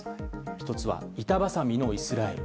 １つは、板挟みのイスラエル。